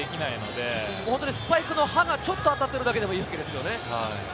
スパイクの刃がちょっと当たってるだけでもいいわけですよね。